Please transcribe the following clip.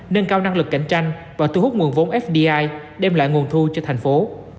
nâng cao năng lực cạnh tranh và thu hút nguồn vốn fdi đem lại nguồn thu cho thành phố